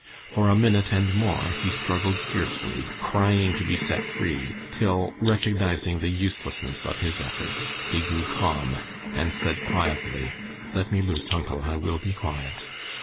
For a minute and more he struggled fiercely, crying to be set free, till recognizing the uselessness of his efforts he grew calm, and said quietly, "Let me loose, uncle; I will be quiet."